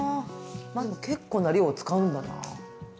結構な量を使うんだな。